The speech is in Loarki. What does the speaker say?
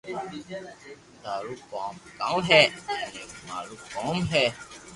ٿارو ڪوم ڪاو ھي ايئي مارو ڪوم ھي